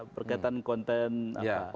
berkaitan konten ya